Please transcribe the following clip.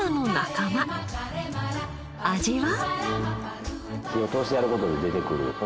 味は。